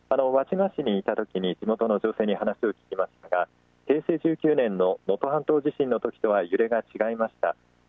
輪島市にいたときに地元の女性に話を聞きましたら平成１９年の能登半島地震のときとは揺れが違いました。